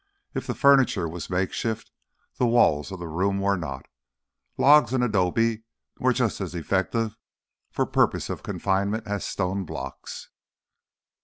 If the furniture was makeshift, the walls of the room were not. Logs and adobe were just as effective for the purpose of confinement as stone blocks.